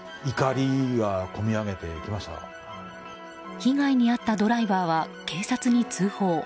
被害に遭ったドライバーは警察に通報。